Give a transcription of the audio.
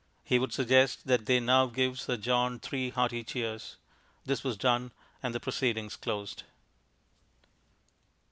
He would suggest that they now give Sir John three hearty cheers. This was done, and the proceedings closed.